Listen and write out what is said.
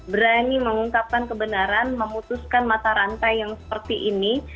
berani mengungkapkan kebenaran memutuskan mata rantai yang seperti ini